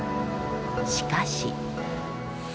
しかし。